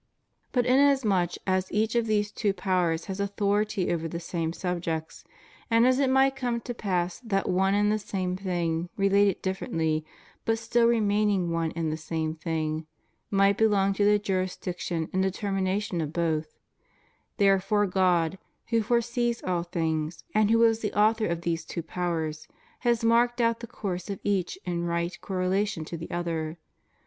But inasmuch as each of these two powers has authority over the same subjects, and as it might come to pass that one and the same thing — related differently, but stiil remaining one and the same thing — might belong to the jurisdiction and determina tion of both, therefore God, who foresees all things, and who is the author of these two powers, has marked out the course of each in right correlation to the other.